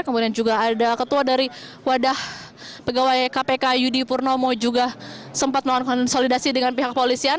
kemudian juga ada ketua dari wadah pegawai kpk yudi purnomo juga sempat melakukan konsolidasi dengan pihak polisian